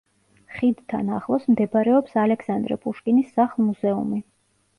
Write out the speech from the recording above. ხიდთან ახლოს მდებარეობს ალექსანდრე პუშკინის სახლ-მუზეუმი.